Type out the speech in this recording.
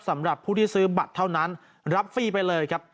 สำหรับผู้ที่ซื้อบัตรเท่านั้นรับฟรีไปเลยครับ